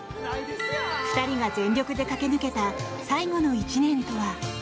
２人が全力で駆け抜けた最後の１年とは。